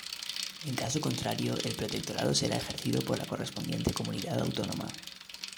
En caso contrario, el protectorado será ejercido por la correspondiente Comunidad Autónoma.